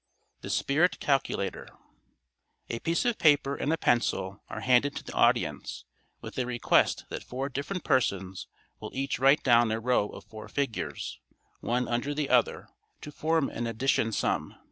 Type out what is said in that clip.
The Spirit Calculator.—A piece of paper and a pencil are handed to the audience with a request that four different persons will each write down a row of four figures, one under the other, to form an addition sum.